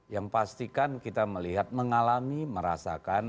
yang pastikan kita melihat mengalami merasakan